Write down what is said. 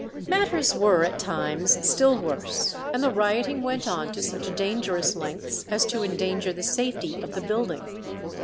Matters were at times still worse, and the rioting went on to such dangerous lengths as to endanger the safety of the building.